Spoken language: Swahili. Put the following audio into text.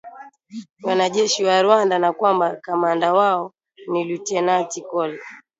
ni wanajeshi wa Rwanda na kwamba kamanda wao ni lutenati col